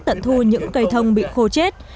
tận thu những cây thông bị khô chết